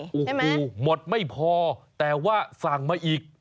โอ้โหหมดไม่พอแต่ว่าสั่งมาอีก